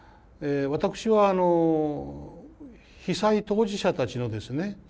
私は被災当事者たちのですね